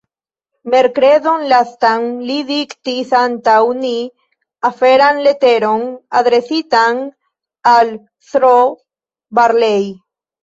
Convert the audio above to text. Merkredon lastan, li diktis antaŭ ni aferan leteron adresitan al S-ro Barlei.